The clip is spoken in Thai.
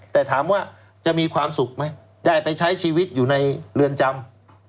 แต่ถามว่าจะมีความสุขไหมได้ไปใช้ชีวิตอยู่ในเรือนจำ